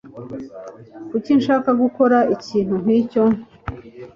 Kuki nshaka gukora ikintu nkicyo?